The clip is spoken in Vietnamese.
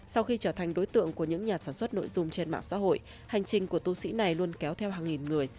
sau khi trở thành đối tượng của những nhà sản xuất nội dung trên mạng xã hội hành trình của tu sĩ này luôn kéo theo hàng nghìn người